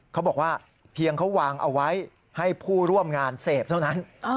เขาบอกว่าเพียงเขาวางเอาไว้ให้ผู้ร่วมงานเสพเท่านั้น